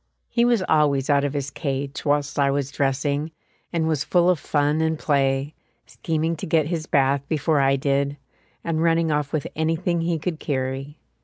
He was always out of his cage whilst I was dressing, and was full of fun and play, scheming to get his bath before I did, and running off with anything he could carry.